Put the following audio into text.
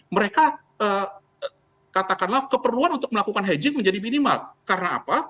mereka katakanlah keperluan untuk melakukan hedgit menjadi minimal karena apa